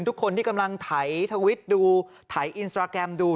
ทุกคนที่กำลังไถทวิตดูไถอินสตราแกรมดู